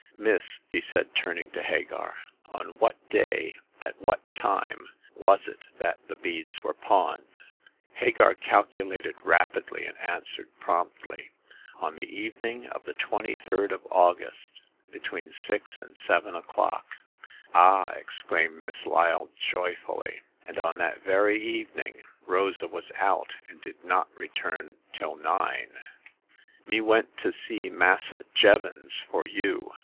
Miss," he said, turning to Hagar, on what day, at what time, was it that the beads were pawned ?" Hagar calculated rapidly, and answered promptly :On the evening of the 23d of August, between six and seven o'clock.*' Ah !'' exclaimed Miss Lyle, joyfully —and on that very evening Rosa was out, and did not return till nine !" Me went to see Massa Jevons for you